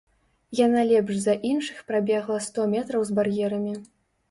Яна лепш за іншых прабегла сто метраў з бар'ерамі.